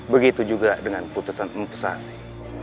begitu juga dengan keputusan mpusasi